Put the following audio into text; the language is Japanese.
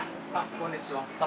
こんにちは。